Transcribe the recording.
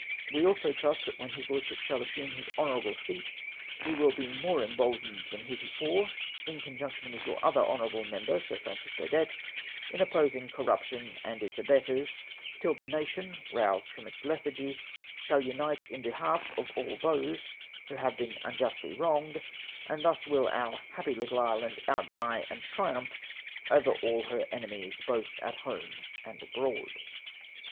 We also trust that when his Lordship shall assume his honourable seat he will be more emboldened than heretofore, in conjunction with your other Honourable Member Sir Francis Burdett, in opposing corruption and its abettors, till the nation, roused from its lethargy, shall unite in behalf of all those who have been unjustly wronged ; and thus will our little happy island outvie and triumph over all her enemies, both at home and abroad.